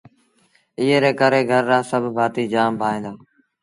ايئي ري ڪري گھر رآ سڀ ڀآتيٚ جآم ڀائيٚݩ دآ